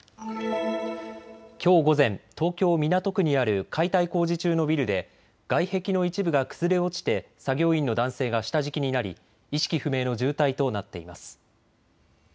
きょう午前、東京港区にある解体工事中のビルで外壁の一部が崩れ落ちて作業員の男性が下敷きになり意識不明の重体となっています。